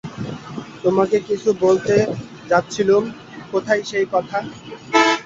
তোমাকে কিছু বলতে যাচ্ছিলুম– কোথায় সেই কথা।